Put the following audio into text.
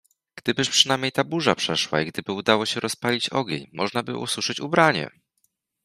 Gdybyż przynajmniej ta burza przeszła i gdyby udało się rozpalić ogień, możnaby osuszyć ubranie!